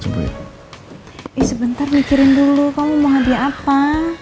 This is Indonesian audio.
sebentar mikirin dulu kamu mau hadiah apa